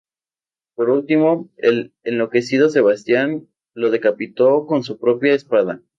Por último, el enloquecido Sebastián lo decapitó con su propia espada.